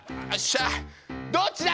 どっちだ！